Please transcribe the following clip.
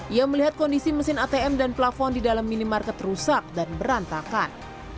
ia melihat kondisi mesin atm dan plafon di dalam minimarket rusak dan berantakan